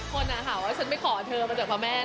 คนอะหากว่าฉันไม่ขอเธอมาจากพระแม่นะ